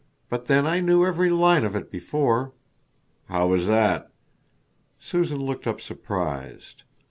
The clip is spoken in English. But then I knew every line of it before." "How was that?" Susan looked up surprised.